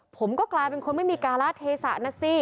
ผมก็กลายเป็นคนไม่มีการละเทศะนะสิ